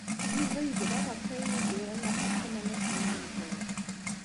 Yuba yedla ɣef wayen i d-tura Nna Ḥakima n At Zmenzer.